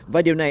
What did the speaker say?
và điều này